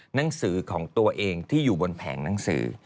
หนังสือของตัวเองที่อยู่บนแผงหนังสือ